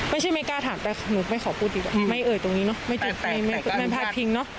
ไม่ใช่ไม่กล้าถามแต่หนูไม่ขอพูดอีกว่าไม่เอ่ยตรงนี้เนอะไม่จุดไม่แพลกพิงเนอะ